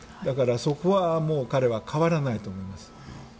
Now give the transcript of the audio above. だから、そこは彼は変わらないと思います。